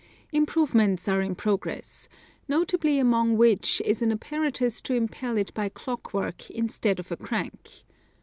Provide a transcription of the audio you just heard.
Improvements are in progress, notably among which is an apparatus to impel it by clock work instead of a crank.